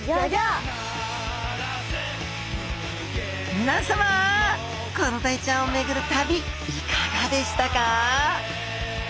皆さまコロダイちゃんを巡る旅いかがでしたか？